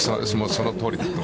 そのとおりだと。